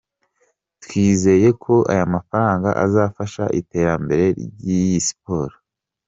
Twizeye ko ayamafaranga azafasha itera mbere ry'iyi siporo.